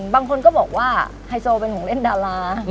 บางคนก็บอกว่าไฮโซเป็นของเล่นดารา